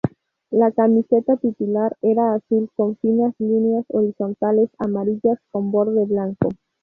La camiseta titular era azul con finas líneas horizontales amarillas con borde blanco.